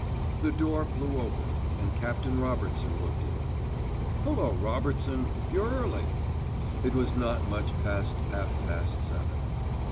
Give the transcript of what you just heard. The door flew open, and Captain Robertson looked in. "Hullo, Robertson; you're early!" It was not much past half past seven.